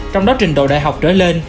trong đó trình độ đại học trở lên